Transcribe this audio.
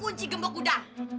pasti kunci gembok kuda